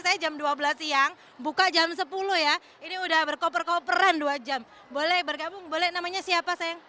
saya dua belas buka jam sepuluh ya ini udah berkoper koperan dua jam boleh bergabung boleh namanya siapa sayang